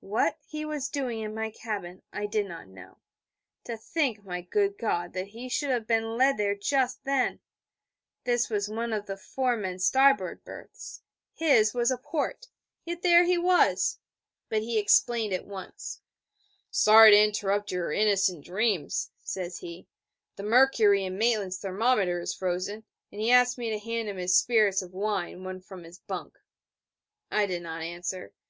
What he was doing in my cabin I did not know. To think, my good God, that he should have been led there just then! This was one of the four men starboard berths: his was a port: yet there he was! But he explained at once. 'Sorry to interrupt your innocent dreams, says he: 'the mercury in Maitland's thermometer is frozen, and he asked me to hand him his spirits of wine one from his bunk...' I did not answer.